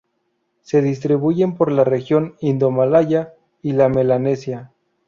Se distribuyen por la región indomalaya y la Melanesia.